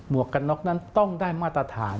วกกันน็อกนั้นต้องได้มาตรฐาน